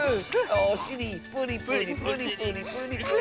おしりプリプリプリプリプリプリ。